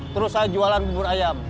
terus saya jualan bubur ayam